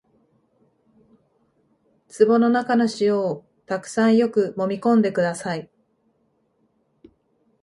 壺の中の塩をたくさんよくもみ込んでください